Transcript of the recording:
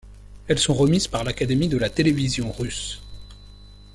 Elles sont remises par l'Académie de la télévision russe.